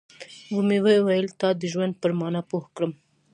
ومې ويل تا د ژوند پر مانا پوه کړم.